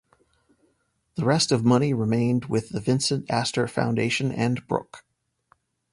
The rest of money remained with the Vincent Astor foundation and Brooke.